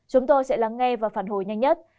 chúng tôi sẽ lắng nghe và phản hồi nhanh nhất